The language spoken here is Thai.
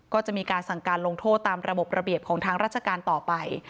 ก็จะมีการสั่งการลงโทษตามระบบระเบียบของทางราชการต่อไป